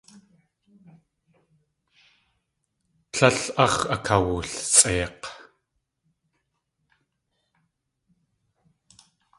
Tlél áx̲ akawulsʼeik̲.